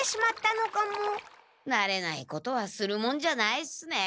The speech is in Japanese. なれないことはするもんじゃないっすね。